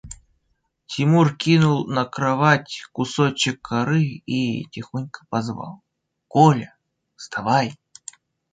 Тимур кинул на кровать кусочек коры и тихонько позвал: – Коля, вставай!